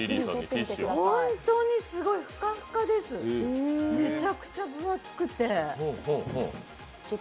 本当にすごい、ふかふかですめちゃめちゃ分厚くて。